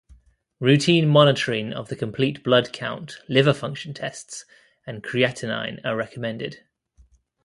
Routine monitoring of the complete blood count, liver function tests, and creatinine are recommended.